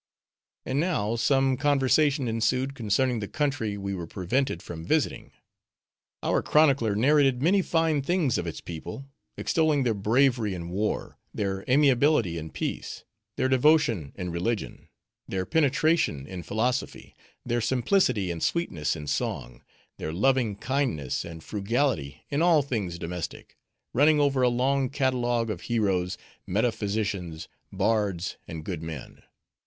And now, some conversation ensued concerning the country we were prevented from visiting. Our chronicler narrated many fine things of its people; extolling their bravery in war, their amiability in peace, their devotion in religion, their penetration in philosophy, their simplicity and sweetness in song, their loving kindness and frugality in all things domestic:—running over a long catalogue of heroes, meta physicians, bards, and good men.